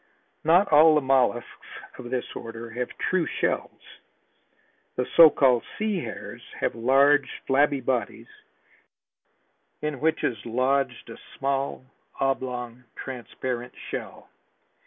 Not all the mollusks of this order have true shells. The so called sea hares, have large, flabby bodies in which is lodged a small, oblong, transparent shell.